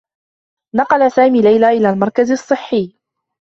نقل سامي ليلى إلى المركز الصّحّي.